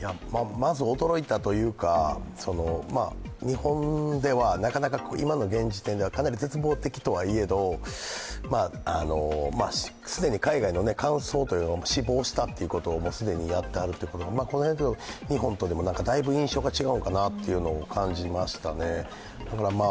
まず驚いたというか日本ではなかなか今の現時点ではかなり絶望的とはいえど、既に海外では死亡したということを既にやってる、この辺も、日本とだいぶ印象が違うのかなと感じましたね。